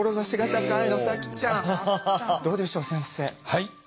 はい。